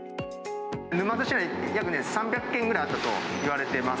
沼津市内、約３００軒ぐらいあったといわれています。